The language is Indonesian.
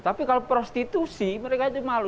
tapi kalau prostitusi mereka itu malu